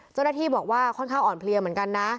เจ้าหน้าที่บอกว่าค่อนข้างอ่อนเพลียเหมือนกันนะ